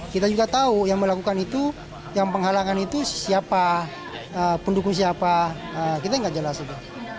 kita juga tahu yang melakukan itu yang penghalangan itu siapa pendukung siapa kita tidak jelas itu